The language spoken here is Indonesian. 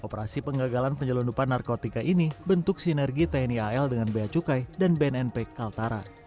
operasi penggagalan penyelundupan narkotika ini bentuk sinergi tni al dengan bea cukai dan bnnp kaltara